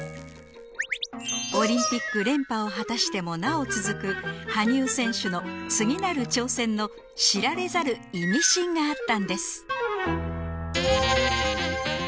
オリンピック連覇を果たしてもなお続く羽生選手の次なる挑戦の知られざるイミシンがあったんです